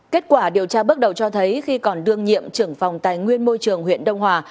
kết quả điều tra bước đầu cho thấy khi còn đương nhiệm trưởng phòng tài nguyên môi trường huyện đông hòa